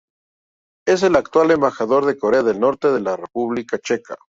Es el actual embajador de Corea del Norte en la República Checa.